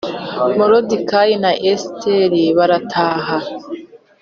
moridekayi na esiteri barataha